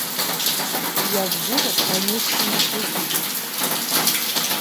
Як бура, пранёсся на плыты.